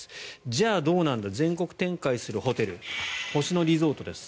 じゃあどうなんだ全国展開するホテル星野リゾートです。